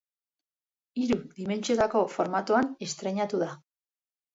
Hiru dimentsiotako formatoan estreinatu da.